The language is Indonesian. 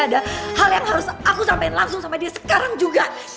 ada hal yang harus aku sampaikan langsung sampai dia sekarang juga